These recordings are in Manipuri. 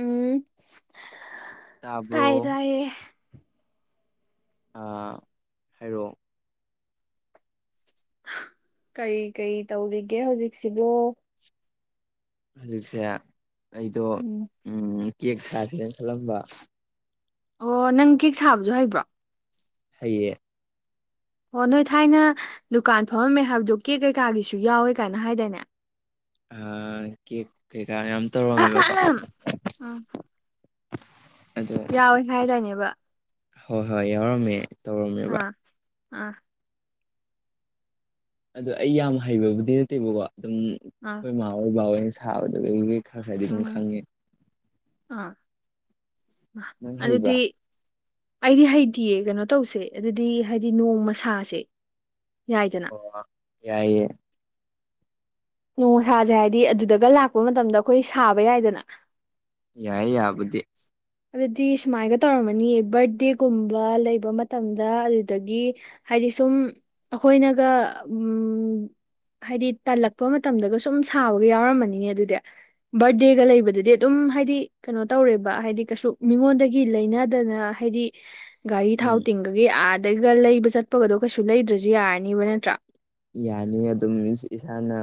ꯎꯝ ꯇꯥꯏꯌꯦ ꯇꯥꯕ꯭ꯔꯣ ꯇꯥꯏꯌꯦ ꯑꯥ ꯍꯥꯏꯔꯛꯑꯣ ꯀꯩ ꯀꯩ ꯇꯧꯔꯤꯒꯦ ꯍꯧꯖꯤꯛꯁꯤꯕꯣ ꯍꯧꯖꯤꯛꯁꯦ ꯑꯩꯗꯣ ꯎꯝ ꯀꯦꯛ ꯁꯥꯁꯦꯅ ꯈꯜꯂꯝꯕ ꯑꯣ ꯅꯪ ꯀꯦꯛ ꯁꯥꯕꯁꯨ ꯍꯕ꯭ꯔꯣ ꯍꯥꯏꯌꯦ ꯑꯣ ꯅꯣꯏ ꯊꯥꯏꯅ ꯗꯨꯀꯥꯟ ꯐꯝꯃꯝꯃꯦ ꯍꯥꯏꯕꯗꯣ ꯀꯦꯛ ꯀꯩꯀꯥꯒꯤꯁꯨ ꯌꯥꯎꯋꯦ ꯀꯥꯏꯅ ꯍꯥꯏꯗꯥꯏꯅꯦ ꯀꯦꯛ ꯀꯩꯀꯥ ꯌꯥꯝ ꯇꯧꯔꯝꯃꯦꯕꯀꯣ ꯑꯗꯣ ꯌꯥꯎꯏꯦ ꯍꯥꯏꯗꯅꯦꯕ ꯍꯣꯏ ꯍꯣꯏ ꯌꯥꯎꯔꯝꯃꯦ ꯇꯧꯔꯝꯃꯦꯕ ꯑꯥ ꯑꯥ ꯑꯗꯣ ꯑꯩ ꯌꯥꯝ ꯍꯩꯕꯕꯨꯗꯤ ꯅꯠꯇꯦꯕꯀꯣ ꯑꯗꯨꯝ ꯑꯥ ꯏ ꯃꯥꯥ ꯍꯣꯏ ꯕꯥꯋꯅ ꯁꯥꯕꯗꯨꯈꯩ ꯈꯔ ꯈꯔꯗꯤ ꯑꯗꯨꯝ ꯎꯝ ꯈꯪꯉꯦ ꯑꯥ ꯅꯪ ꯍꯩꯕ꯭ꯔꯥ ꯑꯗꯨꯗꯤ ꯑꯩꯗꯤ ꯍꯩꯇꯌꯦ ꯀꯩꯅꯣ ꯇꯧꯁꯦ ꯑꯗꯨꯗꯤ ꯍꯥꯏꯗꯤ ꯅꯣꯡ ꯃꯁꯥꯁꯦ ꯌꯥꯏꯗꯅ ꯌꯥꯏꯌꯦꯦ ꯅꯣꯡꯁꯥꯁꯦ ꯍꯥꯏꯗꯤ ꯑꯗꯨꯗꯒ ꯂꯥꯛꯄ ꯃꯇꯝꯗ ꯑꯩꯈꯣꯏ ꯁꯥꯕ ꯌꯥꯏꯗꯅ ꯌꯥꯏ ꯌꯥꯕꯨꯗꯤ ꯑꯗꯨꯗꯤ ꯁꯨꯃꯥꯏꯒ ꯇꯧꯔꯝꯃꯅꯤꯌꯦ ꯕꯔꯗꯦꯒꯨꯝꯕ ꯂꯩꯕ ꯃꯇꯝꯗ ꯑꯗꯨꯗꯒꯤ ꯍꯥꯏꯗꯤ ꯁꯨꯝ ꯑꯩꯈꯣꯏꯅꯒ ꯎꯝ ꯍꯥꯏꯗꯤ ꯇꯥꯜꯂꯛꯄ ꯃꯇꯝꯗꯒ ꯁꯨꯝ ꯁꯥꯕꯒ ꯌꯥꯎꯔꯝꯃꯅꯤꯅꯦ ꯑꯗꯨꯗꯤ ꯕꯔꯗꯦꯒ ꯂꯩꯕꯗꯗꯤ ꯑꯗꯨꯝ ꯍꯥꯏꯗꯤ ꯀꯩꯅꯣ ꯇꯧꯔꯦꯕ ꯍꯥꯏꯗꯤ ꯀꯩꯁꯨ ꯃꯤꯉꯣꯟꯗꯒꯤ ꯂꯩꯅꯗꯅ ꯍꯥꯏꯗꯤ ꯒꯥꯔꯤ ꯊꯥꯎ ꯎꯝ ꯇꯤꯡ ꯑꯒꯤ ꯑꯥꯗꯩꯒ ꯂꯩꯕ ꯆꯠꯄꯒꯗꯣ ꯀꯩꯁꯨ ꯂꯩꯗ꯭ꯔꯁꯨ ꯌꯥꯔꯅꯤꯕ ꯅꯠꯇ꯭ꯔꯥ ꯌꯥꯅꯤ ꯑꯗꯨꯝ ꯏꯁꯥꯅ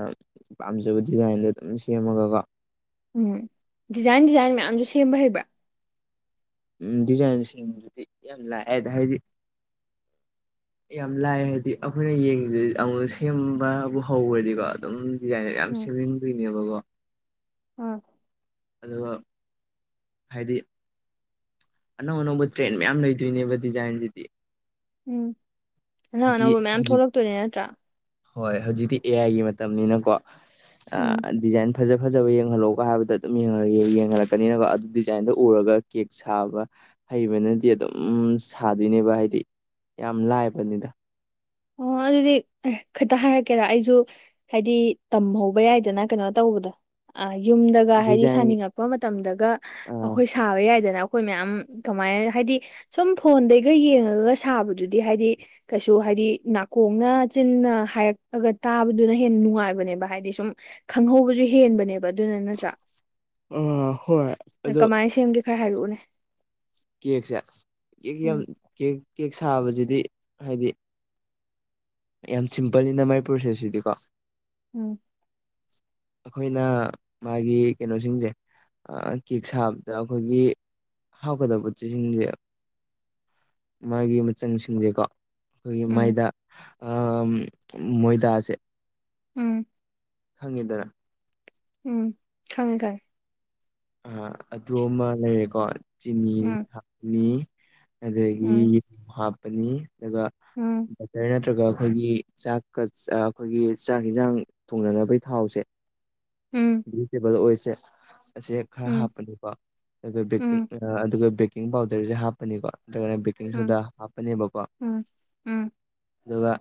ꯄꯥꯝꯖꯕ ꯗꯤꯖꯥꯏꯟꯗꯣ ꯑꯗꯨꯝ ꯁꯦꯝꯃꯒꯀꯣ ꯎꯝ ꯗꯤꯖꯥꯏꯟ ꯗꯤꯖꯥꯏꯟ ꯃꯌꯥꯝꯁꯨ ꯁꯦꯝꯕ ꯍꯩꯕ꯭ꯔꯥ ꯎꯝ ꯗꯤꯖꯥꯏꯟ ꯁꯦꯝꯕꯗꯨꯗꯤ ꯌꯥꯝ ꯂꯥꯛꯑꯦꯗ ꯍꯥꯏꯗꯤ ꯌꯥꯝ ꯂꯥꯏ ꯍꯥꯏꯗꯤ ꯑꯩꯈꯣꯏꯅ ꯌꯦꯡꯁꯤ ꯑꯃꯨꯛ ꯁꯦꯝꯕꯕꯨ ꯍꯧꯈ꯭ꯔꯗꯤꯀꯣ ꯑꯗꯨꯝ ꯗꯤꯖꯥꯏꯟꯗ ꯌꯥꯝ ꯎꯝ ꯁꯦꯝꯖꯤꯟꯗꯣꯏꯅꯦꯕꯀꯣ ꯑ ꯑꯗꯨꯒ ꯍꯥꯏꯗꯤ ꯑꯅꯧ ꯑꯅꯧꯕ ꯇ꯭ꯔꯦꯟ ꯃꯌꯥꯝ ꯂꯩꯇ꯭ꯣꯏꯅꯦꯕ ꯗꯤꯖꯥꯏꯟꯁꯤꯗꯤ ꯎꯝ ꯑꯅꯧ ꯍꯥꯏꯗꯤ ꯑꯅꯧꯕ ꯃꯌꯥꯝ ꯍꯧꯖꯤꯛꯇꯤ ꯊꯣꯛꯂꯛꯇꯣꯏꯅꯦ ꯅꯠꯇ꯭ꯔꯥ ꯍꯣꯏ ꯍꯧꯖꯤꯛꯇꯤ ꯑꯦ ꯑꯥꯏꯒꯤ ꯃꯇꯝꯅꯤꯅꯀꯣ ꯎꯝ ꯗꯤꯖꯥꯏꯟ ꯐꯖ ꯐꯖꯕ ꯌꯦꯡꯍꯜꯂꯣꯒ ꯍꯥꯏꯕꯗ ꯑꯗꯨꯝ ꯌꯦꯡꯍꯜꯂꯛꯀꯅꯤꯅꯀꯣ ꯑꯗꯨ ꯗꯤꯖꯥꯏꯟꯗꯣ ꯎꯔꯒ ꯀꯦꯛ ꯁꯥꯕ ꯍꯩꯕꯅꯗꯤ ꯑꯗꯨꯝ ꯁꯥꯗꯣꯏꯅꯦꯕ ꯍꯥꯏꯗꯤ ꯌꯥꯝ ꯂꯥꯏꯕꯅꯤꯗ ꯑꯣ ꯑꯗꯨꯗꯤ ꯈꯛꯇ ꯍꯥꯏꯔꯛꯀꯦꯔ ꯑꯩꯁꯨ ꯍꯥꯏꯗꯤ ꯇꯝꯍꯧꯕ ꯌꯥꯏꯗꯅ ꯀꯩꯅꯣ ꯇꯧꯕꯗ ꯑ ꯌꯨꯝꯗꯒ ꯍꯥꯏꯗꯤ ꯗꯤꯖꯥꯏꯟꯒꯤ ꯁꯥꯅꯤꯡꯉꯛꯄ ꯃꯇꯝꯗꯒ ꯑ ꯑꯩꯈꯣꯏ ꯊꯥꯕ ꯌꯥꯏꯗꯅ ꯑꯩꯈꯣꯏ ꯃꯌꯥꯝ ꯀꯃꯥꯏꯅ ꯍꯥꯏꯗꯤ ꯁꯨꯝ ꯐꯣꯟꯗꯩꯒ ꯌꯦꯡꯉꯒꯒ ꯁꯥꯕꯗꯨꯗꯤ ꯍꯥꯏꯗꯤ ꯀꯩꯁꯨ ꯍꯥꯏꯗꯤ ꯅꯥꯀꯣꯡꯅ ꯆꯤꯟꯅ ꯍꯥꯏꯔꯛꯑꯒ ꯇꯥꯕꯗꯨꯅ ꯍꯦꯟꯅ ꯅꯨꯡꯉꯥꯏꯕꯅꯦꯕ ꯍꯥꯏꯗꯤ ꯁꯨꯝ ꯈꯪꯍꯧꯕꯁꯨ ꯍꯦꯟꯕꯅꯦꯕ ꯑꯗꯨꯅ ꯅꯠꯇ꯭ꯔꯥ ꯍꯣꯏ ꯑꯗꯣ ꯀꯃꯥꯏꯅ ꯁꯦꯝꯒꯦ ꯈꯔ ꯍꯥꯏꯔꯛꯎꯅꯦ ꯀꯦꯛꯁꯦ ꯀꯦꯛ ꯌꯥꯝ ꯎꯝ ꯀꯦꯛ ꯀꯦꯛ ꯁꯥꯕꯁꯤꯗꯤ ꯍꯥꯏꯗꯤ ꯌꯥꯝ ꯁꯤꯝꯄꯜꯅꯤꯅ ꯃꯥꯏ ꯄ꯭ꯔꯣꯁꯦꯁꯁꯤꯗꯤꯀꯣ ꯎꯝ ꯎꯝ ꯑꯩꯈꯣꯏꯅ ꯃꯥꯒꯤ ꯀꯩꯅꯣꯁꯤꯡꯁꯦ ꯀꯦꯛ ꯁꯥꯕꯗ ꯑꯩꯈꯣꯏꯒꯤ ꯍꯥꯎꯀꯗꯕ ꯆꯦꯁꯤꯡꯁꯦ ꯃꯥꯒꯤ ꯃꯆꯪꯁꯤꯡꯁꯦꯀꯣ ꯑꯩꯈꯣꯏꯒꯤ ꯎꯝ ꯃꯣꯏꯗ ꯃꯣꯏꯗꯥꯁꯦ ꯎꯝ ꯍꯪꯗꯔꯥ ꯎꯝ ꯈꯪꯉꯦ ꯈꯉꯦ ꯑꯗꯨ ꯑꯃ ꯂꯩꯔꯦꯀꯣ ꯆꯤꯅꯤ ꯎꯝ ꯍꯥꯞꯄꯅꯤ ꯑꯗꯒꯤ ꯎꯝ ꯍꯥꯞꯄꯅꯤ ꯑꯗꯨꯒ ꯎꯝ ꯇꯔ ꯅꯠꯇ꯭ꯔꯒ ꯑꯩꯈꯣꯏꯒꯤ ꯆꯥꯛꯀ ꯑꯩꯈꯣꯏꯒꯤ ꯆꯥꯛ ꯏꯟꯁꯥꯡ ꯊꯣꯡꯅꯅꯕꯒꯤ ꯊꯥꯎꯁꯦ ꯎꯝ ꯁꯦꯕ ꯑꯣꯏꯣꯏꯁꯦ ꯑꯦ ꯈꯔ ꯎꯝ ꯍꯥꯞꯄꯅꯦꯀꯣ ꯑꯗꯨꯒ ꯕꯦꯀꯤꯡ ꯎꯝ ꯑꯗꯨꯒ ꯕꯦꯀꯤꯡ ꯄꯥꯎꯗꯔꯁꯦ ꯍꯥꯞꯄꯅꯤꯀꯣ ꯅꯠꯇ꯭ꯔꯒꯅ ꯀꯤ ꯎꯝ ꯁꯗ ꯍꯥꯞꯄꯅꯦꯕꯀꯣ ꯎꯝ ꯎꯝ ꯑꯗꯨꯒ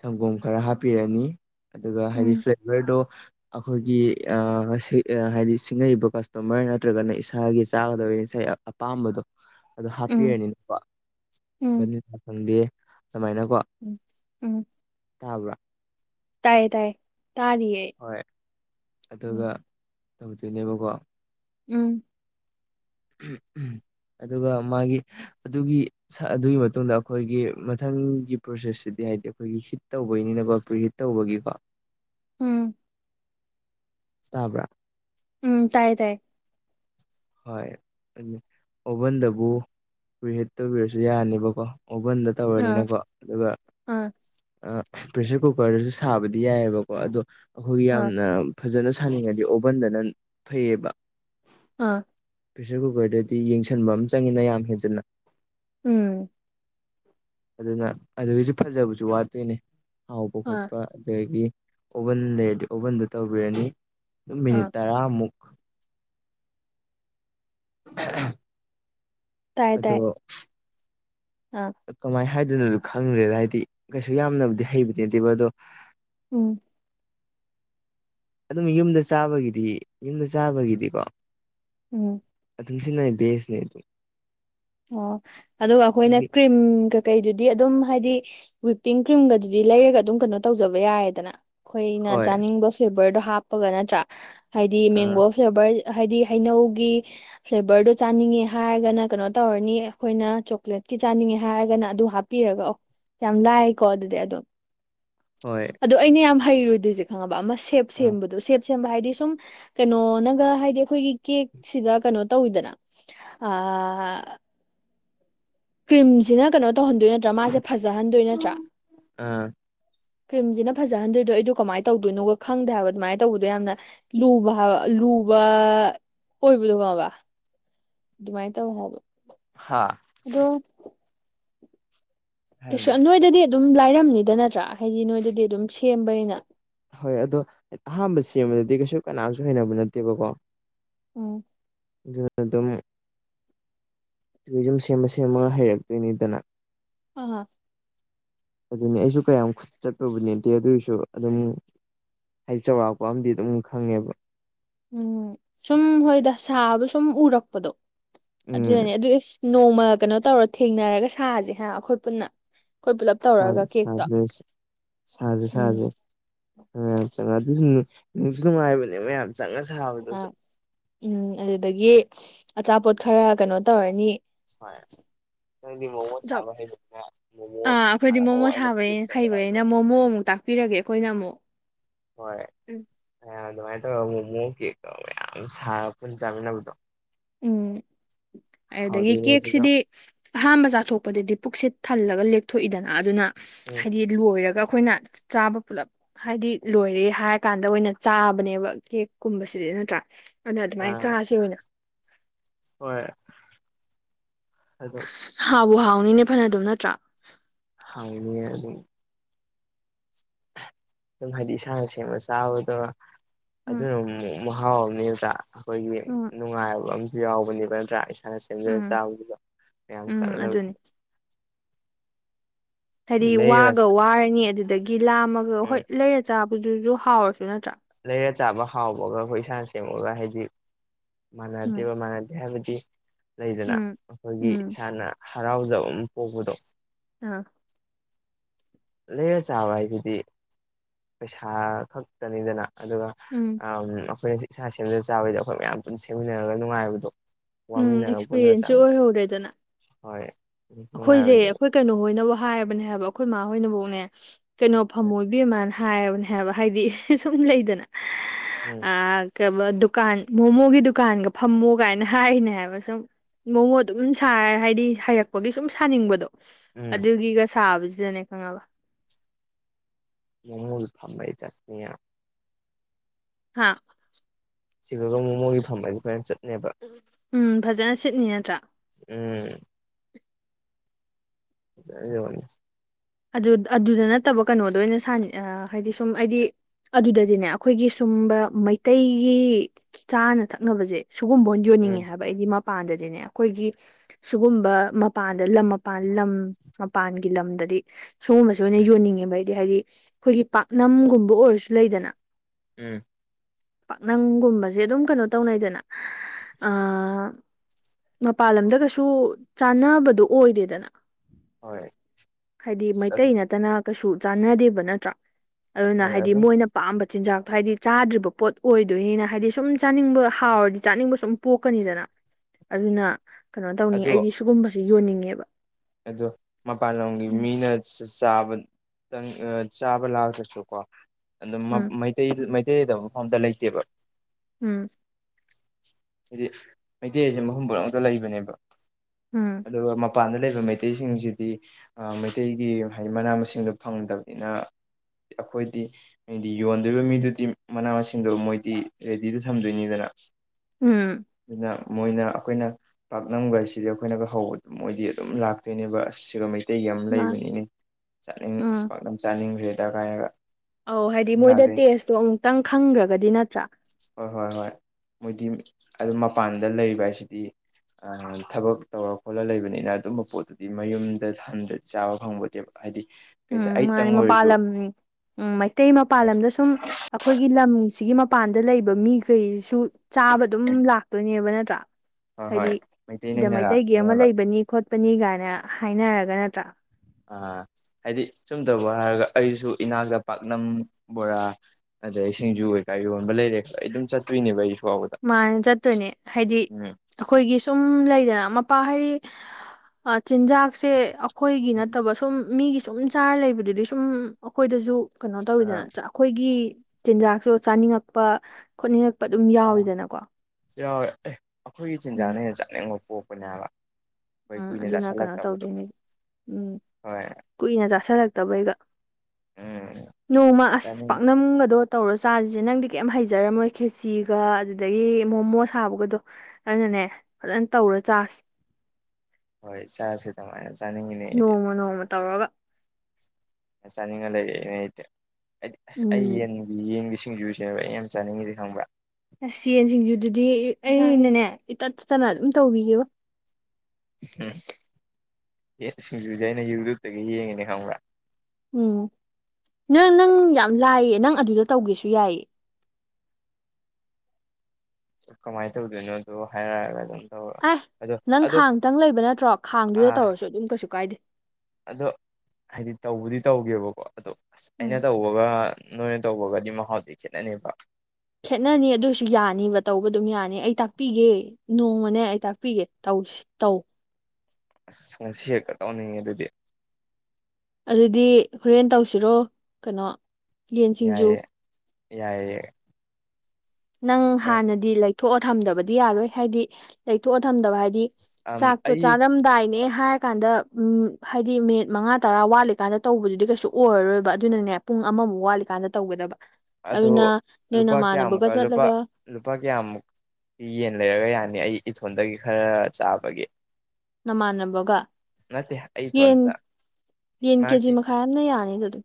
ꯁꯪꯒꯣꯝ ꯈꯔ ꯍꯥꯞꯄꯤꯔꯅꯤ ꯑꯗꯨꯒ ꯍꯥꯏꯗꯤ ꯎꯝ ꯐ꯭ꯂ ꯗꯣ ꯑꯩꯈꯣꯏꯒꯤ ꯍꯥꯏꯗꯤ ꯁꯤꯡꯉꯛꯏꯕ ꯀꯁꯇꯃꯔ ꯅꯠꯇ꯭ꯔꯒꯅ ꯏꯁꯥꯒꯤ ꯆꯥꯒꯗꯧꯔꯤꯁ ꯑꯄꯥꯝꯕꯗꯣ ꯑꯗꯨ ꯎꯝ ꯍꯥꯞꯄꯤꯔꯅꯤꯅꯀꯣ ꯎꯝ ꯚꯅꯤꯂꯥ ꯈꯪꯗꯦ ꯑꯗꯨꯃꯥꯏꯅꯀꯣ ꯎꯝ ꯎꯝ ꯇꯥꯕ꯭ꯔꯥ ꯇꯥꯏꯌꯦ ꯇꯥꯏꯌꯦ ꯇꯥꯔꯤꯌꯦ ꯍꯣꯏ ꯑꯗꯨꯒ ꯎꯝ ꯇꯧꯗꯣꯏꯅꯦꯕꯀꯣ ꯎꯝ ꯑꯗꯨꯒ ꯃꯥꯒꯤ ꯑꯗꯨꯒꯤ ꯑꯗꯨꯒꯤ ꯃꯇꯨꯡꯗ ꯑꯩꯈꯣꯏꯒꯤ ꯃꯊꯪꯒꯤ ꯄ꯭ꯔꯣꯁꯦꯁꯁꯤꯗꯤ ꯍꯥꯏꯗꯤ ꯑꯩꯈꯣꯏꯒꯤ ꯍꯤꯠ ꯇꯧꯕꯩꯅꯤꯅꯀꯣ ꯄ꯭ꯔꯤꯠ ꯇꯧꯕꯒꯤꯀꯣ ꯎꯝ ꯇꯥꯕ꯭ꯔꯥ ꯎꯝ ꯇꯥꯏ ꯇꯥꯏ ꯍꯣꯏ ꯑꯣꯚꯟꯗꯕꯨ ꯍꯨ ꯍꯦꯠ ꯇꯧꯕꯤꯔꯁꯨ ꯌꯥꯅꯤꯕꯀꯣ ꯑꯣꯚꯟꯗ ꯑꯥ ꯇꯧꯔꯅꯤꯅꯀꯣ ꯑꯗꯨꯒ ꯑꯥ ꯑꯩ ꯄ꯭ꯔꯦꯁꯔ ꯀꯨꯀꯔꯗꯁꯨ ꯁꯥꯕꯗꯤ ꯌꯥꯏꯑꯕꯀꯣ ꯑꯗꯣ ꯑꯩꯈꯣꯏꯒꯤ ꯑꯥ ꯌꯥꯝꯅ ꯐꯖꯅ ꯁꯥꯅꯤꯡꯉꯗꯤ ꯑꯣꯚꯟꯗꯅ ꯐꯩꯌꯦꯕ ꯑꯥ ꯄ꯭ꯔꯦꯁꯔ ꯀꯨꯀꯔꯗꯗꯤ ꯌꯦꯡꯁꯤꯟꯕ ꯑꯃ ꯆꯪꯉꯤꯅ ꯌꯥꯝ ꯍꯦꯟꯖꯟꯅ ꯎꯝ ꯑꯗꯨꯅ ꯑꯗꯨꯒꯤꯁꯨ ꯐꯖꯕꯁꯨ ꯋꯥꯠꯇꯣꯏꯅꯦ ꯍꯥꯎꯕ ꯑꯥ ꯈꯣꯠꯄ ꯑꯗꯒꯤ ꯑꯣꯚꯟ ꯂꯩꯔꯗꯤ ꯑꯣꯚꯟꯗ ꯇꯧꯕꯤꯔꯅꯤ ꯑꯗꯨꯝ ꯃꯤꯅꯤꯠ ꯑꯥ ꯇꯔꯥꯃꯨꯛ ꯑ ꯇꯥꯏꯌꯦ ꯇꯥꯏꯌ‌ꯦ ꯑ ꯀꯃꯥꯏ ꯍꯥꯏꯗꯣꯏꯅꯣꯗꯣ ꯈꯪꯗ꯭ꯔꯦꯗ ꯍꯥꯏꯗꯤ ꯀꯩꯁꯨ ꯌꯥꯝꯅꯕꯨꯗꯤ ꯍꯩꯕꯗꯤ ꯅꯠꯇꯦꯕ ꯑꯗꯣ ꯎꯝ ꯑꯗꯨꯝ ꯌꯨꯝꯗ ꯆꯥꯕꯒꯤꯗꯤ ꯌꯨꯝꯗ ꯆꯥꯕꯒꯤꯗꯤꯀꯣ ꯎꯝ ꯑꯗꯨꯝ ꯁꯤꯖꯤꯟꯅꯩ ꯕꯦꯁꯅꯦ ꯑꯗꯨꯝ ꯑꯣ ꯑꯗꯨꯒ ꯑꯩꯈꯣꯏꯅ ꯑꯩꯈꯣꯏꯒꯤ ꯀ꯭ꯔꯤꯝꯒ ꯀꯩꯗꯨꯗꯤ ꯑꯗꯨꯝ ꯍꯥꯏꯗꯤ ꯋꯤꯞꯄꯤꯡ ꯀ꯭ꯔꯤꯝꯒꯗꯨꯗꯤ ꯂꯩꯔꯒ ꯑꯗꯨꯝ ꯀꯩꯅꯣ ꯇꯧꯖꯕ ꯌꯥꯔꯦꯗꯅ ꯑꯩꯈꯣꯏꯅ ꯍꯣꯏ ꯆꯥꯅꯤꯡꯕ ꯐ꯭ꯂꯦꯚꯔꯗꯣ ꯍꯥꯞꯄꯒ ꯅꯠꯇ꯭ꯔꯥ ꯍꯥꯏꯗꯤ ꯑꯥ ꯃꯦꯡꯒꯣ ꯐ꯭ꯂꯦꯕꯔ ꯍꯥꯏꯗꯤ ꯍꯩꯅꯧꯒꯤ ꯐ꯭ꯂꯦꯕꯔꯗꯣ ꯆꯥꯅꯤꯡꯉꯦ ꯍꯥꯏꯔꯒꯅ ꯀꯩꯅꯣ ꯇꯧꯔꯅꯤ ꯑꯩꯈꯣꯏꯅ ꯆꯣꯀ꯭ꯂꯦꯠꯀꯤ ꯆꯥꯅꯤꯡꯉꯦ ꯍꯥꯏꯔꯒꯅ ꯑꯗꯨ ꯍꯥꯞꯄꯤꯔꯒ ꯑꯣ ꯌꯥꯝ ꯂꯥꯏꯑꯀꯣ ꯑꯗꯨꯗꯤ ꯑꯗꯨꯝ ꯍꯣꯏ ꯑꯗꯣ ꯑꯩꯅ ꯌꯥꯝ ꯍꯩꯔꯨꯗꯤ ꯖ‌ꯦ ꯈꯪꯉꯕ ꯑꯃ ꯁꯦꯞ ꯑꯥ ꯁꯦꯝꯕꯗꯣ ꯁꯦꯞ ꯁꯦꯝꯕ ꯍꯥꯏꯗꯤ ꯁꯨꯝ ꯀꯩꯅꯣꯅꯒ ꯍꯥꯏꯗꯤ ꯑꯩꯈꯣꯏꯒꯤ ꯀꯦꯛꯁꯤꯗ ꯀꯩꯅꯣ ꯇꯧꯋꯤꯗꯅ ꯑꯥ ꯀ꯭ꯔꯤꯝꯁꯤꯅ ꯀꯩꯅꯣ ꯇꯧꯍꯟꯗꯣꯏ ꯅꯠꯇ꯭ꯔꯥ ꯃꯥꯁꯦ ꯐꯖꯍꯟꯗꯣꯏ ꯅꯠꯇ꯭ꯔꯥ ꯑꯥ ꯀ꯭ꯔꯤꯝꯖꯨꯅ ꯐꯖꯍꯟꯗꯣꯏꯗꯣ ꯑꯩꯗꯣ ꯀꯃꯥꯏꯅ ꯇꯧꯗꯣꯏꯅꯣꯒ ꯈꯪꯗꯦ ꯍꯥꯏꯕ ꯑꯗꯨꯃꯥꯏꯅ ꯇꯧꯕꯗꯣ ꯌꯥꯝꯅ ꯂꯨꯕ ꯍꯥꯏꯕ ꯂꯨꯕ ꯑꯣꯏꯕꯗꯨ ꯈꯪꯑꯕ ꯑꯗꯨꯃꯥꯏꯅ ꯇꯧ ꯍꯥꯏꯕ ꯍꯥꯥ ꯑꯗ‌ꯣ ꯀꯩꯁꯨ ꯍꯥꯏꯕꯅꯦ ꯅꯣꯏꯗꯗꯤ ꯑꯗꯨꯝ ꯂꯥꯏꯔꯝꯅꯤꯗ ꯅꯠꯇ꯭ꯔꯥ ꯍꯥꯏꯗꯤ ꯅꯣꯏꯗꯗꯤ ꯑꯗꯨꯝ ꯁꯦꯝꯕꯅꯤꯅ ꯍꯣꯏ ꯑꯗꯣ ꯑꯍꯥꯟꯕ ꯁꯦꯝꯕꯗꯗꯤ ꯀꯩꯁꯨ ꯀꯅꯥꯝꯁꯨ ꯍꯩꯅꯕ ꯅꯠꯇꯦꯕꯀꯣ ꯎꯝ ꯑꯗꯨ ꯑꯗꯨꯝ ꯇꯨꯔꯤꯖꯝ ꯁꯦꯝꯕ ꯁꯦꯝꯃꯒ ꯍꯩꯔꯛꯇꯣꯏꯅꯤꯗꯅ ꯑ ꯑꯗꯨꯅꯦ ꯑꯩꯁꯨ ꯀꯌꯥꯝ ꯈꯨꯠ ꯆꯠꯄꯕꯨ ꯗꯤ ꯅꯠꯇꯦ ꯑꯗꯨꯏꯁꯨ ꯑꯗꯨꯝ ꯑꯩ ꯆꯥꯎꯔꯥꯛꯄ ꯑꯃꯗꯤꯝ ꯑꯗꯨꯝ ꯈꯪꯉꯦꯕ ꯎꯝ ꯁꯨꯝ ꯍꯣꯏꯗ ꯁꯥꯕ ꯁꯨꯝ ꯎꯔꯛꯄꯗꯣ ꯎꯝ ꯑꯗꯨꯗꯅꯦ ꯑꯗꯨ ꯅꯣꯡꯃ ꯀꯩꯅꯣ ꯇꯧꯔ ꯊꯦꯡꯅꯔꯒ ꯁꯥꯁꯦ ꯍ ꯑꯩꯈꯣꯏ ꯄꯨꯟꯅ ꯑꯩꯈꯣꯏ ꯄꯨꯂꯞ ꯇꯧꯔꯒ ꯀꯦꯛꯇꯣ [unintelligible] ꯁꯥꯖꯦ ꯎꯝ ꯁꯥꯖꯦ ꯃꯌꯥꯝ ꯆꯪꯑ ꯑꯗꯨꯁꯨꯅꯨꯡꯁꯨ ꯅꯨꯡꯉꯥꯏꯕꯅꯦ ꯃꯌꯥꯝ ꯆꯪꯉ ꯑꯥ ꯁꯥꯕꯗꯨꯖꯨ ꯎꯝ ꯑꯗꯨꯗꯒꯤ ꯑꯆꯥꯄꯣꯠ ꯈꯔ ꯀꯩꯅꯣ ꯇꯧꯔꯅꯤ꯫ ꯍꯣꯏ꯫ ꯅꯪꯗꯤ ꯃꯣꯃꯣ ꯁꯥꯕ ꯍꯩꯕꯅꯤꯅ ꯃꯣꯃꯣ ꯑꯥ ꯑꯩꯈꯣꯏꯗꯤ ꯁꯥꯔꯛꯑꯣ ꯃꯣꯃꯣ ꯑꯩꯅ ꯁꯥꯕꯩ ꯀꯦꯛ ꯇꯧꯖꯔꯛꯑꯒꯦ꯫ ꯍꯩꯕꯅꯤꯅ ꯃꯣꯃꯣ ꯑꯃꯨꯛ ꯇꯥꯛꯄꯤꯔꯒꯦꯀꯣ ꯑꯩꯅ ꯑꯃꯨꯛ꯫ ꯍꯣꯏ ꯑꯗꯨꯃꯥꯏꯅ ꯇꯧꯔꯒ ꯃꯣꯃꯣ ꯀꯦꯛꯀ ꯃꯌꯥꯝ ꯁꯥꯔꯒ ꯄꯨꯟ ꯆꯥꯃꯤꯟꯅꯕꯗꯣ꯫ ꯎꯝ ꯑꯗꯨꯗꯒꯤ ꯍꯥꯎꯗꯣꯏꯅꯦ ꯑꯗꯨꯁꯨ ꯀꯦꯛꯁꯤꯗꯤ ꯑꯍꯥꯟꯕ ꯆꯥꯊꯣꯛꯄꯗꯗꯤ ꯄꯨꯛꯁꯦ ꯊꯜꯂꯒ ꯂꯦꯛꯊꯣꯛꯏꯗꯅ ꯑꯗꯨꯅ ꯎꯝ ꯍꯥꯏꯗꯤ ꯂꯣꯏꯔꯒ ꯑꯩꯈꯣꯏꯅ ꯆꯥꯕ ꯄꯨꯜꯂꯞ ꯍꯥꯏꯗꯤ ꯂꯣꯏꯔꯦ ꯍꯥꯏꯔꯀꯥꯟꯗ ꯑꯣꯏꯅ ꯆꯥꯕꯅꯦꯕ ꯀꯦꯛꯀꯨꯝꯕꯁꯤꯗꯤ ꯅꯠꯇ꯭ꯔꯥ꯫ ꯑꯗꯨꯅ ꯑꯗꯨꯃꯥꯏ ꯑꯥ ꯆꯥꯔꯁꯦ ꯑꯣꯏꯅ꯫ ꯍꯣꯏ ꯑꯗꯣ꯫ ꯍꯥꯥꯎꯕꯨ ꯍꯥꯎꯅꯤꯅꯦ ꯐꯅꯗꯨꯝ ꯅꯠꯇ꯭ꯔꯥ꯫ ꯍꯥꯎꯅꯤꯌꯦ ꯑꯗꯨ ꯑꯗꯨꯝ ꯍꯥꯏꯗꯤ ꯏꯁꯥꯅ ꯁꯦꯝꯕ ꯆꯥꯕꯗꯣ ꯎꯝ ꯑꯗꯨꯅ ꯑꯃꯨꯛ ꯃꯍꯥꯎ ꯑꯃꯅꯦꯕꯗꯥ ꯑꯩꯈꯣꯏꯒꯤ ꯎꯝ ꯅꯨꯡꯉꯥꯏꯕ ꯑꯝꯁꯨ ꯌꯥꯎꯕꯅꯦꯕ ꯅꯠꯇ꯭ꯔꯥ ꯏꯁꯥꯅ ꯎꯝ ꯎꯝ ꯑꯗꯨꯅꯤ [unintelligible] ꯍꯥꯏꯗꯤ ꯂꯩꯔꯒ ꯋꯥꯒ ꯋꯥꯔꯅꯤ ꯑꯗꯨꯗꯒꯤ ꯂꯥꯝꯃꯒ ꯍꯣꯏ ꯎꯝ ꯂꯩꯔ ꯆꯥꯕꯗꯨꯁꯨ ꯍꯥꯎꯔꯁꯨ ꯅꯠꯇ꯭ꯔꯥ꯫ ꯂꯩꯔ ꯆꯥꯕ ꯍꯥꯎꯕꯒ ꯑꯩꯈꯣꯏ ꯏꯁꯥꯅ ꯁꯦꯝꯃꯒ ꯍꯥꯏꯗꯤ ꯎꯝ ꯃꯥꯟꯅꯗꯦꯕ ꯃꯥꯟꯅꯗꯦ ꯍꯥꯏꯕꯗꯤ ꯂꯩꯗꯅ ꯎꯝ ꯑꯩꯈꯣꯏꯒꯤ ꯎꯝ ꯏꯁꯥꯅ꯫ ꯍꯔꯥꯎꯖꯕ ꯑꯃ ꯄꯣꯛꯄꯗꯣ꯫ ꯑꯥ꯫ ꯖꯃꯝ ꯂꯩꯔ ꯆꯥꯕ ꯍꯥꯏꯁꯤꯗꯤ ꯄꯩꯁꯥ ꯈꯛꯇꯅꯤꯗꯅ ꯑꯗꯨꯒ ꯎꯝ꯫ ꯑꯩꯈꯣꯏꯅ ꯍꯧꯖꯤꯛ ꯏꯁꯥ ꯁꯦꯝꯖ ꯆꯥꯕꯩꯗ ꯑꯩꯈꯣꯏ ꯃꯌꯥꯝ ꯄꯨꯝ ꯁꯦꯝꯃꯤꯟꯅꯔꯒ ꯅꯨꯡꯉꯥꯏꯕꯗꯣ꯫ ꯎꯝ ꯋꯥꯃꯤꯟꯅꯔꯒ ꯄꯨꯟꯅꯒ ꯑꯦꯛꯁꯄꯤꯔꯤꯌꯦꯟꯁꯁꯨ ꯆꯥꯕꯗꯣ ꯑꯣꯏꯍꯧꯔꯦꯗꯅ꯫ ꯍꯣꯏ꯫ ꯑꯩꯈꯣꯏꯁꯦ ꯅꯨꯡꯉꯥꯏꯕꯅꯦꯕ ꯑꯩꯈꯣꯏ ꯀꯩꯅꯣꯍꯣꯏꯅꯕꯧ ꯍꯥꯏꯔꯕꯅꯦ ꯍꯥꯏꯕ ꯑꯩꯈꯣꯏ ꯃꯥꯥꯍꯣꯏꯅꯐꯧꯅꯦ ꯀꯩꯅꯣ ꯐꯝꯃꯣ ꯏꯕꯦꯝꯃꯥꯅ꯫ ꯍꯥꯏꯕꯅꯦ ꯍꯥꯏꯕ ꯍꯥꯏꯗꯤ ꯁꯨꯝ ꯂꯩꯗꯅ ꯎꯝ ꯑꯥ ꯀꯩꯕ ꯗꯨꯀꯥꯟ ꯃꯣꯃꯣꯒꯤ ꯗꯨꯀꯥꯟꯒ ꯐꯝꯃꯣ ꯀꯥꯏꯅ ꯍꯥꯏꯅꯦ ꯍꯥꯏꯕ ꯁꯨꯝ꯫ ꯃꯣꯃꯣ ꯑꯗꯨꯝ ꯁꯥꯔ ꯍꯥꯏꯗꯤ ꯍꯥꯏꯔꯛ ꯑꯗꯨꯒꯤ ꯁꯨꯝ ꯁꯥꯅꯤꯡꯕꯗꯣ ꯎꯝ ꯑꯗꯨꯒꯤꯒ ꯁꯥꯕꯁꯤꯗꯅꯦ ꯈꯪꯉꯕ꯫ ꯃꯣꯃꯣꯗꯨ ꯐꯝꯕꯩ ꯆꯠꯅꯤꯌꯦ꯫ ꯍꯥ꯫ ꯁꯤꯗꯒ ꯃꯣꯃꯣꯒꯤ ꯐꯝꯃꯗꯤ ꯐꯥꯖꯅ ꯆꯠꯅꯦꯕ꯫ ꯎꯝ ꯐꯖꯅ ꯁꯤꯠꯅꯤ ꯅꯠꯇ꯭ꯔꯥ꯫ ꯎꯝ꯫ [unintelligible] ꯑꯗꯨ ꯑꯗꯨꯗ ꯅꯠꯇꯕ ꯀꯩꯅꯣꯗꯣ ꯑꯣꯏꯅ ꯁꯥ ꯍꯥꯏꯗꯤ ꯁꯨꯝ ꯍꯥꯏꯗꯤ ꯑꯗꯨꯗꯗꯤꯅꯦ ꯑꯩꯈꯣꯏꯒꯤ ꯁꯨꯝꯕ ꯃꯩꯇꯩꯒꯤ ꯆꯥꯅ ꯊꯛꯅꯕꯁꯦ ꯁꯨꯒꯨꯝꯕ ꯑꯣꯏ ꯌꯣꯟꯅꯤꯡꯉꯦ ꯎꯝ ꯍꯥꯏꯕ ꯑꯩꯗꯤ ꯃꯄꯥꯟꯗꯗꯤꯅꯦ ꯑꯩꯈꯣꯏꯒꯤ ꯁꯤꯒꯨꯝꯕ ꯃꯄꯥꯟꯗ ꯂꯝ ꯃꯄꯥꯟ ꯂꯝ ꯃꯄꯥꯟꯒꯤ ꯂꯝꯗꯗꯤ ꯁꯒꯨꯝꯕꯁꯦ ꯑꯣꯏꯅ ꯎꯝ ꯌꯣꯟꯅꯤꯡꯉꯦꯕ ꯑꯩꯗꯤ ꯍꯥꯏꯗꯤ ꯑꯩꯈꯣꯏꯒꯤ ꯄꯥꯛꯅꯝꯒꯨꯝꯕ ꯑꯣꯏꯔꯁꯨ ꯂꯩꯗꯅ꯫ ꯎꯝ꯫ ꯄꯥꯛꯅꯝꯒꯨꯝꯕꯁꯦ ꯑꯗꯨꯝ ꯀꯩꯅꯣ ꯇꯧꯅꯩꯗꯅ ꯑ ꯃꯄꯥꯟ ꯂꯝꯗ ꯀꯩꯁꯨ ꯆꯥꯟꯅꯕꯗꯣ ꯑꯣꯏꯗꯦꯗꯅ꯫ ꯍꯣꯏ꯫ ꯍꯥꯏꯗꯤ ꯃꯩꯇꯩ ꯑꯗꯨ ꯅꯠꯇꯅ ꯀꯩꯁꯨ ꯆꯥꯟꯅꯗꯦꯕ ꯅꯠꯇ꯭ꯔꯥ ꯑꯗꯨꯅ ꯍꯣꯏ ꯍꯥꯏꯗꯤ ꯑꯗꯨꯝ ꯃꯣꯏꯅ ꯄꯥꯝꯕ ꯆꯤꯟꯖꯥꯛꯇꯣ ꯍꯥꯏꯗꯤ ꯆꯥꯗ꯭ꯔꯤꯕ ꯄꯣꯠ ꯑꯣꯏꯗꯣꯏꯅꯤꯅ ꯍꯥꯏꯗꯤ ꯁꯨꯝ ꯆꯥꯅꯤꯡꯕ ꯍꯥꯎꯔꯗꯤ ꯆꯥꯅꯤꯡꯕ ꯁꯨꯝ ꯄꯣꯛꯀꯅꯤꯗꯅ ꯑꯗꯨꯅ ꯀꯩꯅꯣ ꯇꯧꯅꯤꯡꯉꯤ ꯑꯗꯨ ꯑꯩꯗꯤ ꯁꯤꯒꯨꯝꯁꯦ ꯌꯣꯟꯅꯤꯡꯉꯦꯕ꯫ ꯑꯗꯨ ꯃꯄꯥꯟ ꯂꯝꯒꯤ ꯎꯝ ꯃꯤꯅ ꯆꯥꯕ ꯈꯤꯇꯪ ꯆꯥꯕ ꯂꯥꯛꯇ꯭ꯔꯁꯨ ꯀꯣ ꯑꯗꯨꯝ ꯎꯝ ꯃꯩꯇꯩ ꯃꯩꯇꯩꯗꯕ ꯃꯐꯝ ꯑꯝꯇ ꯂꯩꯇꯦꯕ ꯎꯝ ꯍꯥꯏꯗꯤ ꯃꯩꯇꯩ ꯍꯥꯏꯁꯦ ꯃꯐꯝ ꯄꯨꯝꯅꯃꯛꯇ ꯂꯩꯕꯅꯦꯕ ꯎꯝ ꯑꯗꯨꯒ ꯃꯄꯥꯟꯗ ꯂꯩꯕꯩ ꯃꯩ ꯃꯩꯇꯩꯁꯤꯡꯁꯤꯗꯤ ꯃꯩꯇꯩꯒꯤ ꯍꯥꯏꯗꯤ ꯃꯅꯥ ꯃꯁꯤꯡꯗꯣ ꯐꯪꯗꯕꯅꯤꯅ ꯑꯩꯈꯣꯏꯗꯤ ꯍꯥꯏꯗꯤ ꯌꯣꯟꯗꯣꯏꯔꯤꯕ ꯃꯤꯗꯨꯗꯤ ꯃꯅꯥ ꯃꯁꯤꯡꯗꯣ ꯃꯣꯏꯗꯤ ꯔꯦꯗꯤꯗ ꯊꯝꯗꯣꯏꯅꯤꯗꯅ ꯎꯝ ꯑꯗꯨꯅ ꯃꯣꯏꯅ ꯑꯩꯈꯣꯏꯅ ꯄꯥꯛꯅꯝꯒ ꯍꯥꯏꯁꯤꯗꯤ ꯑꯩꯈꯣꯏꯅꯒ ꯍꯧꯕꯗꯨ ꯃꯣꯏꯗꯤ ꯑꯗꯨꯝ ꯂꯥꯛ ꯇꯣꯏꯅꯦꯕ ꯑꯁ ꯁꯤꯗ ꯃꯩꯇꯩꯒꯤ ꯑꯝ ꯃꯥ ꯂꯩꯕꯅꯤꯅꯦ ꯆꯥꯅꯤꯡ ꯑꯁ ꯎꯝ ꯄꯥꯛꯅꯝ ꯆꯥꯅꯤꯡꯈ꯭ꯔꯦꯗ ꯀꯥꯏꯅꯒ ꯑꯧ ꯍꯥꯏꯗꯤ ꯑꯗꯨꯝ ꯃꯣꯏꯗ ꯂꯥꯛꯇꯣꯏꯅꯤ ꯇꯦꯁꯇꯣ ꯑꯃꯨꯛꯇꯪ ꯈꯪꯈ꯭ꯔꯒꯗꯤ ꯅꯠꯇ꯭ꯔꯥ ꯍꯣꯏ ꯍꯣꯏ ꯍꯣꯏ ꯃꯣꯏꯗꯤ ꯑꯗꯨꯝ ꯃꯄꯥꯟꯗ ꯂꯩꯕ ꯍꯥꯏꯁꯤꯗꯤ ꯊꯕꯛ ꯇꯧꯔ ꯈꯣꯠꯂ ꯂꯩꯕꯅꯤꯅ ꯑꯗꯨꯝꯕ ꯄꯣꯠꯇꯨ ꯗꯤ ꯃꯌꯨꯝꯗ ꯍꯟꯗ꯭ꯔꯗꯤ ꯆꯥꯕ ꯐꯪꯕꯇꯦꯕ ꯍꯥꯏꯗꯤ ꯀꯩꯇ ꯎꯝ ꯃꯥꯅꯦ ꯑꯩꯇꯪ ꯃꯄꯥꯜ ꯑꯣꯏꯔꯁꯨ ꯂꯝ ꯎꯝ ꯃꯩꯇꯩ ꯃꯄꯥꯜ ꯍꯣꯏ ꯂꯝꯗ ꯁꯨꯝ ꯑꯩꯈꯣꯏꯒꯤ ꯂꯝꯁꯤꯒꯤ ꯃꯄꯥꯟꯗ ꯂꯩꯕ ꯃꯤꯈꯩꯁꯨ ꯆꯥꯕ ꯑꯗꯨꯝ ꯂꯥꯛꯇꯣꯏꯅꯦꯕ ꯅꯠꯇ꯭ꯔꯥ ꯍꯣꯏ ꯍꯥꯏꯗꯤ ꯃꯩꯇꯩꯅ ꯁꯤꯗ ꯍꯦꯟꯅ ꯃꯩꯇꯩꯒꯤ ꯂꯥꯛꯇꯣꯏꯅꯦ ꯑꯃ ꯍꯥꯏꯕ ꯂꯩꯕꯅꯤ ꯈꯣꯠꯄꯅꯤ ꯀꯥꯏꯅ ꯍꯥꯏꯅꯔꯒ ꯅꯠꯇ꯭ꯔꯥ ꯑ ꯍꯥꯏꯗꯤ ꯁꯨꯝꯗꯕ ꯍꯥꯏꯔꯒ ꯑꯩꯁꯨ ꯏꯅꯥꯛꯛꯇ ꯄꯥꯛꯅꯝ ꯕꯣꯔꯥ ꯑꯗꯩ ꯁꯤꯡꯖꯨ ꯀꯩꯀꯥ ꯌꯣꯟꯕ ꯂꯩꯔꯦ ꯈ ꯑꯩ ꯑꯗꯨꯝ ꯆꯠꯇꯨꯏꯅꯦꯕ ꯑꯩꯁꯨ ꯐꯥꯎꯕ ꯃꯥꯅꯦ ꯆꯠꯇꯣꯏꯅꯦ ꯍꯥꯏꯗꯤ ꯑꯩꯈꯣꯏꯒꯤ ꯁꯨꯝ ꯂꯩꯗꯅ ꯃꯄꯥ ꯍꯥꯏꯗꯤ ꯆꯤꯟꯖꯥꯛ ꯁꯦ ꯑꯩꯈꯣꯏꯒꯤ ꯅꯠꯇꯕ ꯁꯨꯝ ꯃꯤꯒꯤ ꯁꯨꯝ ꯆꯥꯔ ꯂꯩꯕꯗꯨꯗꯤ ꯁꯨꯝ ꯑꯩꯈꯣꯏꯗꯁꯨ ꯀꯩꯅꯣ ꯑ ꯇꯧꯋꯤꯗꯅ ꯑꯩꯈꯣꯏꯒꯤ ꯆꯤꯟꯖꯥꯛꯁꯨ ꯆꯥꯅꯤꯡꯉꯛꯄ ꯈꯣꯠꯅꯤꯡꯉꯛꯄ ꯑꯗꯨꯝ ꯌꯥꯎꯋꯤ ꯌꯥꯎꯋꯦ ꯑꯦ ꯑꯩꯈꯣꯏꯒꯤ ꯎꯝ ꯆꯤꯟꯖꯥꯛꯅ ꯍꯦꯟ ꯆꯥꯅꯤꯡꯕ ꯄꯣꯛꯄꯅꯦ ꯍꯥꯏꯕ ꯍꯣꯏ ꯎꯝ ꯀꯨꯏꯅ ꯑꯗꯨꯅ ꯀꯩꯅꯣ ꯆꯥꯁꯤꯜꯂꯛꯇꯕꯗꯣ ꯇꯧꯗꯣꯏꯅꯦ ꯎꯝ ꯍꯣꯏ ꯀꯨꯏꯅ ꯆꯥꯥꯁꯜꯂꯛꯇꯕꯩꯒ ꯎꯝ ꯅꯣꯡꯃ ꯑꯁ ꯆꯥꯅꯤꯡꯉꯤ ꯄꯥꯛꯅꯝꯒꯗꯣ ꯇꯧꯔ ꯆꯥꯁꯦ ꯅꯪꯗꯤ ꯀꯩꯝ ꯍꯩꯖꯔꯝꯃꯣꯏ ꯈꯦꯆꯒ ꯑꯗꯨꯗꯒꯤ ꯃꯣꯃꯣ ꯁꯥꯕꯒꯗꯣ ꯑꯗꯨꯅꯅꯦ ꯐꯖꯅ ꯇꯧꯔ ꯆꯥꯁꯦ ꯍꯣꯏ ꯆꯥꯁꯦ ꯗꯨꯃꯥꯏꯅ ꯆꯥꯅꯤꯡꯉꯤꯅꯦ ꯅꯣꯡꯃ ꯅꯣꯡꯃ ꯇꯧꯔꯒ ꯑ ꯆꯥꯅꯤꯡꯉ ꯂꯩꯔꯛꯏꯅꯦ ꯑꯩꯗꯤ ꯑꯩꯗꯤ ꯑꯁ ꯑꯩ ꯎꯝ ꯌꯦꯟꯒꯤ ꯌꯦꯟꯒꯤ ꯁꯤꯡꯖꯨꯁꯤꯅꯦꯕ ꯑꯩ ꯌꯥꯝ ꯆꯥꯅꯤꯡꯉꯤꯁꯦ ꯈꯪꯕ꯭ꯔꯥ ꯑꯁ ꯌꯦꯟ ꯁꯤꯡꯖꯨꯗꯨꯗꯤ ꯑꯩꯅꯅꯦ ꯏꯇꯠ ꯇꯠꯇꯅ ꯑꯗꯨꯝ ꯇꯧꯕꯤꯒꯦꯕꯣ [unintelligible] ꯌꯦꯟ ꯁꯤꯡꯖꯨꯁꯦ ꯑꯩꯅ ꯌꯨꯇꯨꯕꯇꯒꯤ ꯌꯦꯡꯉꯤꯅꯦ ꯈꯪꯕ꯭ꯔꯥ ꯎꯝ ꯅꯪ ꯅꯪ ꯌꯥꯝ ꯂꯥꯏꯌꯦ ꯅꯪ ꯑꯗꯨꯗ ꯇꯧꯒꯦꯁꯨ ꯌꯥꯏꯌꯦ ꯀꯃꯥꯏꯅ ꯇꯧꯗꯣꯏꯅꯣꯗꯣ ꯍꯥꯏꯔꯛꯑꯒ ꯑꯗꯨꯝ ꯇꯧꯔ ꯑꯦ ꯑꯗꯣ ꯅꯪ ꯑꯗꯣ ꯈꯥꯡꯇꯪ ꯂꯩꯕ ꯅꯠꯇ꯭ꯔꯣ ꯈꯥꯡꯗꯨꯗ ꯑꯥ ꯇꯧꯔꯁꯨ ꯑꯗꯨꯝ ꯀꯩꯁꯨ ꯀꯥꯏꯗꯦ ꯑꯗꯣ ꯍꯥꯏꯗꯤ ꯇꯧꯕꯨꯗꯤ ꯇꯧꯒꯦꯕꯀꯣ ꯑꯗꯣ ꯑꯁ ꯎꯝ ꯑꯩꯅ ꯇꯧꯕꯒ ꯅꯣꯏꯅ ꯇꯧꯕꯒꯗꯤ ꯃꯍꯥꯎꯗꯤ ꯈꯦꯠꯅꯅꯤꯕ ꯈꯦꯠꯅꯅꯤ ꯑꯗꯨꯏꯁꯨ ꯌꯥꯅꯤꯕ ꯇꯧꯕ ꯑꯗꯨꯝ ꯌꯥꯅꯤ ꯑꯩ ꯇꯥꯛꯄꯤꯒꯦ ꯅꯣꯡꯃꯅꯦ ꯑꯩ ꯇꯥꯛꯄꯤꯒꯦ ꯇꯧꯁꯤ ꯇꯧ ꯑꯁ ꯉꯁꯤ ꯍꯦꯛꯇ ꯇꯧꯅꯤꯡꯉꯦ ꯑꯗꯨꯗꯤ ꯑꯗꯨꯗꯤ ꯍꯣꯔꯦꯟ ꯇꯧꯁꯤꯔꯣ ꯀꯩꯅꯣ ꯌꯦꯟ ꯁꯤꯡꯖꯨ ꯌꯥꯏꯌꯦ ꯌꯥꯏꯌꯦ ꯅꯪ ꯍꯣꯏ ꯍꯥꯟꯅꯗꯤ ꯂꯩꯊꯣꯛꯑ ꯊꯝꯗꯕꯗꯤ ꯌꯥꯔꯣꯏ ꯍꯥꯏꯗꯤ ꯂꯩꯊꯣꯛꯑ ꯊꯝꯗꯕ ꯍꯥꯏꯗꯤ ꯆꯥꯛꯇꯣ ꯑꯩ ꯆꯥꯔꯝꯗꯥꯏꯅꯦ ꯍꯥꯏꯔ ꯀꯥꯟꯗ ꯍꯥꯏꯗꯤ ꯃꯤꯅꯤꯠ ꯃꯉꯥ ꯇꯔꯥ ꯋꯥꯠꯂꯤꯀꯥꯟꯗ ꯇꯧꯕꯗꯨꯗꯤ ꯀꯩꯁꯨ ꯑꯣꯏꯔꯔꯣꯏꯕ ꯑꯗꯨꯅꯅꯦ ꯄꯨꯡ ꯑꯃꯃꯨꯛ ꯋꯥꯠꯂꯤꯀꯥꯟꯗ ꯇꯧꯒꯗꯕ ꯑꯗꯨꯅ ꯅꯣꯏ ꯅꯃꯥꯟꯅꯕ ꯀꯜꯄꯥ ꯂꯨꯄꯥ ꯀꯌꯥꯃꯨꯛ ꯌꯦꯟ ꯂꯩꯔꯒ ꯌꯥꯅꯤ ꯑꯩ ꯏꯇꯣꯟꯗꯒꯤ ꯈꯔ ꯆꯥꯕꯒꯤ ꯅꯃꯥꯟꯅꯕꯒ ꯅꯠꯇꯦ ꯑꯩ ꯌꯦꯟ ꯏꯊꯣꯟꯇ ꯌꯦꯟ ꯀꯦꯖꯤ ꯃꯍꯥꯛꯇꯤ ꯃꯈꯥꯏ ꯑꯃꯅ ꯌꯥꯅꯤꯗꯗꯨ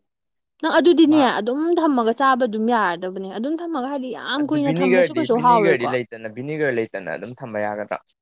ꯅꯪ ꯑꯗꯨꯗꯤꯅꯦ ꯃꯥ ꯑꯗꯨꯝ ꯊꯝꯃꯒ ꯆꯥꯕ ꯑꯗꯨꯝ ꯌꯥꯔꯗꯕꯅꯦ ꯑꯗꯨꯝ ꯊꯝꯃꯒ ꯍꯥꯏꯗꯤ ꯌꯥꯝ ꯀꯨꯏꯅ ꯊꯝꯃꯁꯨ ꯀꯩꯁꯨ ꯍꯥꯎꯔꯣꯏꯀꯣ ꯚꯤꯅꯦꯒꯔ ꯂꯩꯇꯅ ꯑꯗꯨꯝ ꯊꯝꯕ ꯌꯥꯒꯗ꯭ꯔꯥ